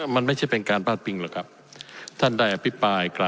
มันไม่ใช่เป็นการพาดพิงหรอกครับท่านได้อภิปรายกล่าว